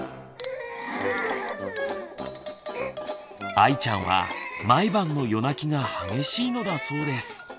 あいちゃんは毎晩の夜泣きが激しいのだそうです。